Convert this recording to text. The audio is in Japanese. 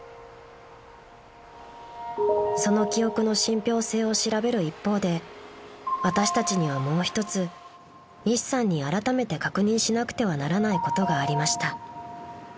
［その記憶の信ぴょう性を調べる一方で私たちにはもう一つ西さんにあらためて確認しなくてはならないことがありました］